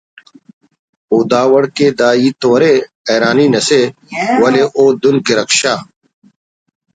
او دا وڑ کہ داہیت تو ارے حیرانی نا سے ولے او دن کہ رکشہ